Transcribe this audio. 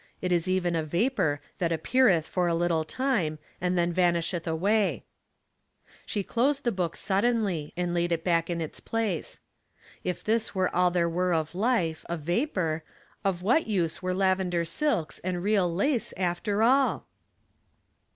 It is even a vapor, that appeareth for a little time, and then vanisheth away." She closed the book Sentiment and Dust, 177 sucldeDly, and laid it back in its place. If this were all there were of life — a vapor — of what use were lavender silks and real lace, after all?